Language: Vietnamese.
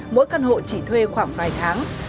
mỗi căn hộ chỉ thuê khoảng vài tháng